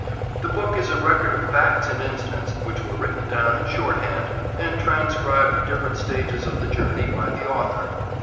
The book is a record of facts and incidents, which were written down in shorthand, and transcribed at different stages of the journey by the author.